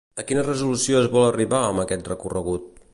A quina resolució es vol arribar amb aquest recorregut?